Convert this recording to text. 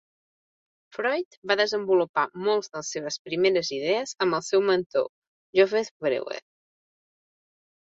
Freud va desenvolupar molts de les seves primeres idees amb el seu mentor, Josef Breuer.